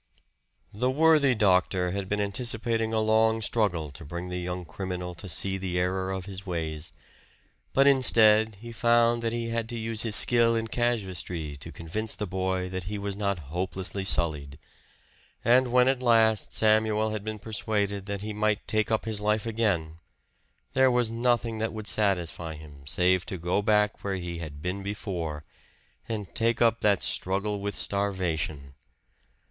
The worthy doctor had been anticipating a long struggle to bring the young criminal to see the error of his ways; but instead, he found that he had to use his skill in casuistry to convince the boy that he was not hopelessly sullied. And when at last Samuel had been persuaded that he might take up his life again, there was nothing that would satisfy him save to go back where he had been before, and take up that struggle with starvation.